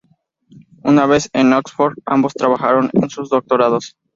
Una vez en Oxford, ambos trabajaron en sus doctorados.